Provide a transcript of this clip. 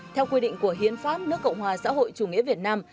theo quy định của hiến pháp nước cộng hòa xã hội chủ nghĩa việt nam